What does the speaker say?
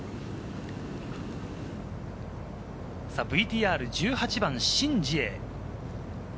ＶＴＲ、１８番、シン・ジエ。